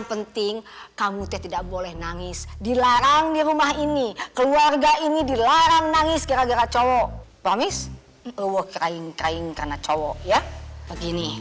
enggak sih kak ngaba cuma kepikiran aja